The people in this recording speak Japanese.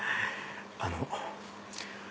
あの。